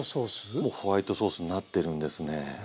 もうホワイトソースになってるんですね。